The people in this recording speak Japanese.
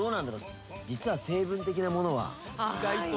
実は成分的なものは意外と。